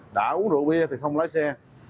đã uống rượu bia thì không lái xe